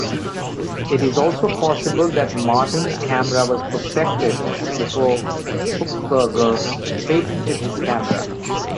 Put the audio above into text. It is also possible that Martens camera was perfected before Puchberger patented his camera.